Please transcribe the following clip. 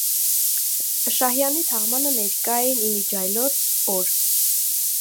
Շահյանի թաղմանը ներկա էին, ի միջի այլոց, օր.